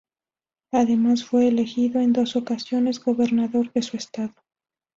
Además, fue elegido en dos ocasiones gobernador de su estado.